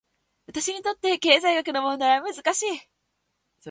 私にとって、経済学の問題は難しい。